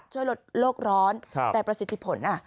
ช่วยลดโลกร้อนแต่ประสิทธิผล